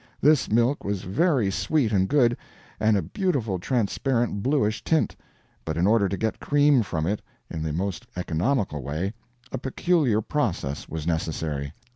This milk was very sweet and good, and a beautiful transparent bluish tint; but in order to get cream from it in the most economical way, a peculiar process was necessary.